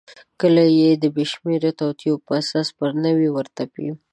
کله یې د بېشمیره توطیو په اساس پر نورو ورتپي.